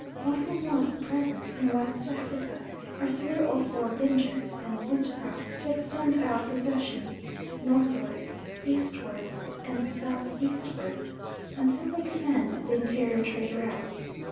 What we want at present in West Africa are three or four Bingers and Zintgraffs to extend our possessions northwards, eastwards, and south eastwards, until they command the interior trade routes.